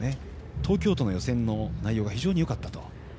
東京都の予選の内容が非常によかったと。